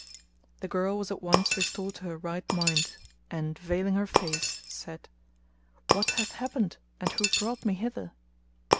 The girl was at once restored to her right mind and veiling her face, said, "What hath happened and who brought me hither?"